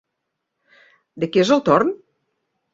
De qui és el torn?